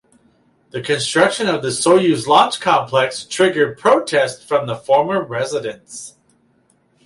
The construction of the Soyuz Launch Complex triggered protests from the former residents.